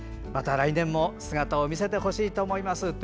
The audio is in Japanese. また来年も姿を見せてほしいと思います。